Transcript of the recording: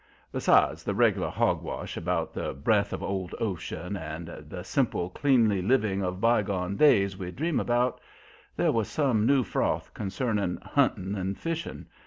Besides the reg'lar hogwash about the "breath of old ocean" and the "simple, cleanly living of the bygone days we dream about," there was some new froth concerning hunting and fishing.